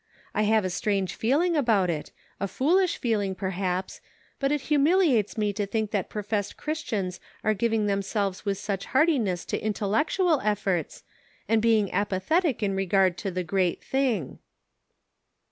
I have a strange feeling about it, a foolish feeling perhaps, but it humiliates me to think that professed Chris tians are giving themselves with such heartiness to intellectual efforts, and being apathetic in regard to the great thing."